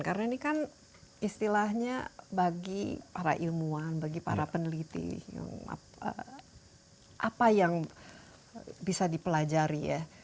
karena ini kan istilahnya bagi para ilmuwan bagi para peneliti apa yang bisa dipelajari ya